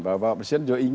bapak presiden juga ingin